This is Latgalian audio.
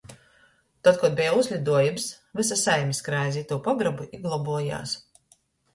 Tod, kod beja uzliduojums, vysa saime skrēja iz itū pogrobu i globuojuos.